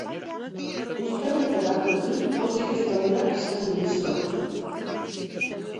Uztaileko datuekin pozik ez daudela esan du ministroak.